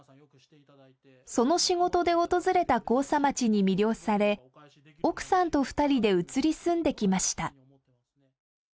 その仕事で訪れた甲佐町に魅了され奥さんと２人で移り住んできました。